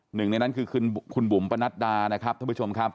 หนึ่งในนั้นคือคุณบุ๋มปนัดดานะครับท่านผู้ชมครับ